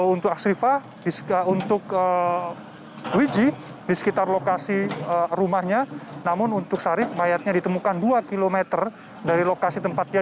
untuk asrifah untuk wiji di sekitar lokasi rumahnya namun untuk sari mayatnya ditemukan dua km dari lokasi tempatnya